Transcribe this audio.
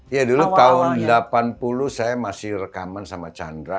ya dulu tahun delapan puluh saya masih rekaman sama chandra